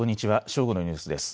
正午のニュースです。